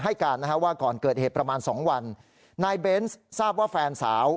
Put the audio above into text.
ให้การนะฮะว่าก่อนเกิดเหตุประมาณสองวันนายเบนส์ทราบว่าแฟนสาว